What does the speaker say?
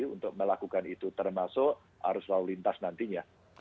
untuk melakukan itu termasuk arus lalu lintas nantinya